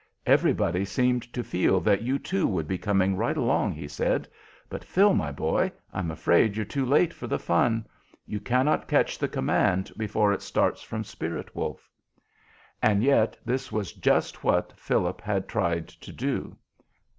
"Everybody seemed to feel that you too would be coming right along," he said; "but, Phil, my boy, I'm afraid you're too late for the fun. You cannot catch the command before it starts from Spirit Wolf." And yet this was just what Phil had tried to do.